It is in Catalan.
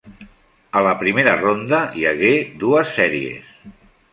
A la primera ronda hi hagué dues sèries.